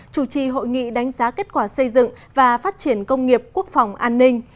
chủ trì hội nghị đánh giá kết quả xây dựng và phát triển công nghiệp quốc phòng an ninh